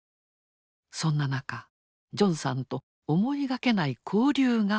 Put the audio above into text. そんな中ジョンさんと思いがけない交流が生まれます。